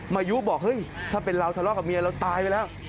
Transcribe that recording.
มายุบอกเฮ้ยถ้าเป็นเราทะเลาะกับเมียเราตายไปแล้ว